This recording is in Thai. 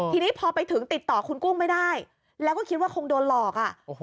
ทีนี้พอไปถึงติดต่อคุณกุ้งไม่ได้แล้วก็คิดว่าคงโดนหลอกอ่ะ